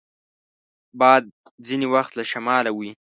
باد ځینې وخت له شماله وي